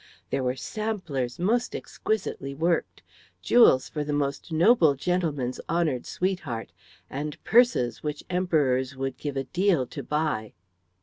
There were samplers most exquisitely worked, jewels for the most noble gentleman's honoured sweetheart, and purses which emperors would give a deal to buy.